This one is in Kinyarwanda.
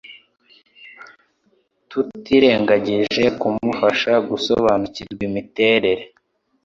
tutirengagije kumufasha gusobanukirwa imiterere